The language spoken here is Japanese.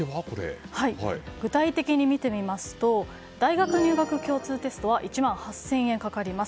具体的に見てみますと大学入学共通テストは１万８０００円かかります。